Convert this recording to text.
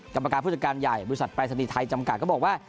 กรรมการผู้จัดการใหญ่บริษัทไปสนิทัยจำกัดก็บอกว่า